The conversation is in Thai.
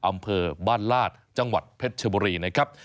อำเภอบ้านลาดจังหวัดเพชรชบุรีนะครับ